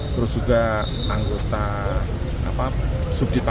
terus juga anggota subditan